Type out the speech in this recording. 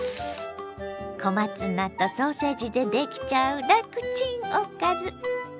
小松菜とソーセージでできちゃう楽チンおかず。